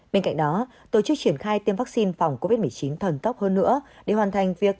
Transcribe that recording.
bên cạnh đó tổ chức triển khai tiêm vaccine phòng covid một mươi chín thần tốc hơn nữa để hoàn thành việc